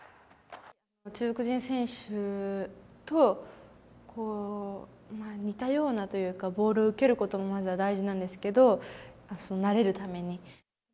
中国人選手と似たようなというか、ボールを受けることはまずは大事なんですけど、慣れるために。